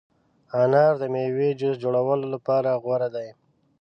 انار د مېوې جوس جوړولو لپاره غوره دی.